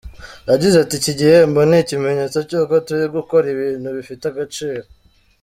Yagize ati “Iki gihembo ni ikimenyetso cy’uko turi gukora ibintu bifite agaciro.